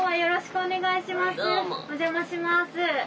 お邪魔します。